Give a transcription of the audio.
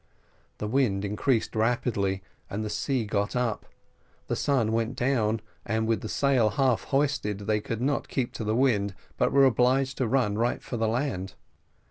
The wind increased rapidly, and the sea got up; the sun went down, and with the sail half hoisted, they could not keep to the wind, but were obliged to run right for the land.